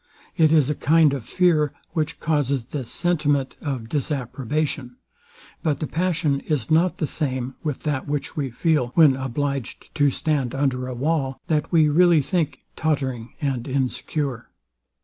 It is a kind of fear, which causes this sentiment of disapprobation; but the passion is not the same with that which we feel, when obliged to stand under a wall, that we really think tottering and insecure.